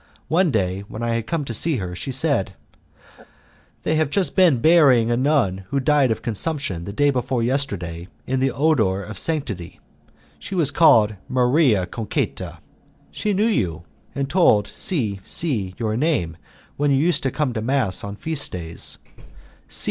One day, when I had come to see her, she said, "They have just been burying a nun who died of consumption the day before yesterday in the odour of sanctity. She was called 'Maria Concetta.' She knew you, and told C C your name when you used to come to mass on feast days.